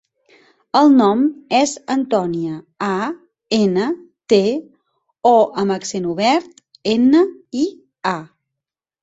El nom és Antònia: a, ena, te, o amb accent obert, ena, i, a.